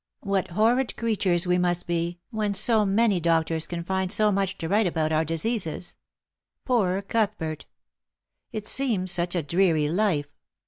What horrid creatures we must be, when so many doctors can find so much to write about our diseases ! Poor Cuthbert ! It seems such a dreary life.